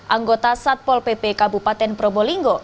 anggota satpol pp kabupaten probolinggo